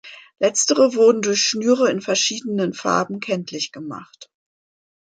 Letztere wurde durch Schnüre in verschiedenen Farben kenntlich gemacht.